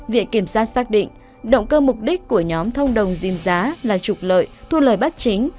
viện kiểm sát xác định động cơ mục đích của nhóm thông đồng dìm giá là trục lợi thu lời bất chính